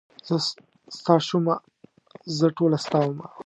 زه ستا شومه زه ټوله ستا ومه.